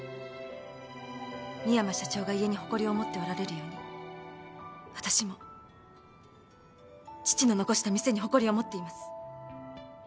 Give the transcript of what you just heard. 深山社長が家に誇りを持っておられるように私も父の残した店に誇りを持っています。